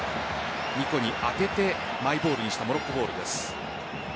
ニコに当ててマイボールにしたモロッコです。